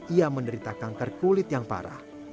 ia menderita kanker kulit yang parah